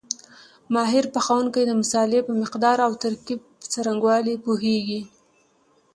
ماهر پخوونکي د مسالې په مقدار او ترکیب په څرنګوالي پوهېږي.